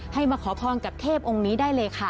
มาขอพรกับเทพองค์นี้ได้เลยค่ะ